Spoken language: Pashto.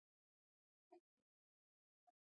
انتقادي سمون په دري تصحیح انتقادي بولي.